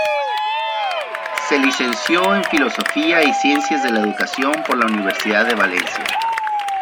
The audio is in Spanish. Se licenció en filosofía y ciencias de la educación por la Universidad de Valencia.